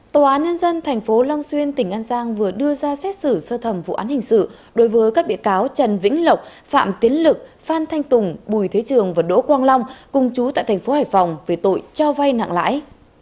tòa án nhân dân tp long xuyên tỉnh an giang vừa đưa ra xét xử sơ thẩm vụ án hình sự đối với các bị cáo trần vĩnh lộc phạm tiến lực phan thanh tùng bùi thế trường và đỗ quang long cùng chú tại thành phố hải phòng về tội cho vay nặng lãi